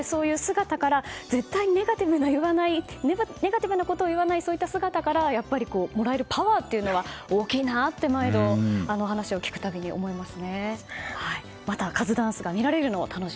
絶対にネガティブなことを言わないそういった姿からやっぱりもらえるパワーというのは大きいなと毎度話を聞くたびに思います。